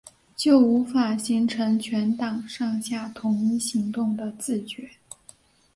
就无法形成全党上下统一行动的自觉